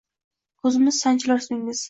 Koʻzimga sanchilur ismingiz.